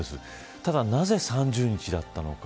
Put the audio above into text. ただ、なぜ３０日だったのか。